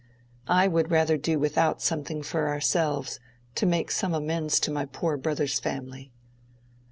I would rather do without something for ourselves, to make some amends to my poor brother's family."